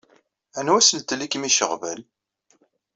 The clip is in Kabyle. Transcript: Anwa asentel i kem-iceɣben?